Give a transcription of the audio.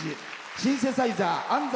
シンセサイザー、安斉亨。